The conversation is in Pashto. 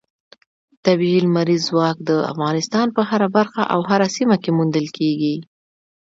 طبیعي لمریز ځواک د افغانستان په هره برخه او هره سیمه کې موندل کېږي.